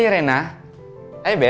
aku harus pergi aku harus pergi